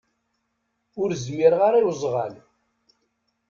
Ur zmireɣ ara i uzɣal.